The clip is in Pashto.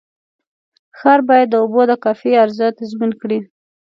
ښار باید د اوبو د کافي عرضه تضمین کړي.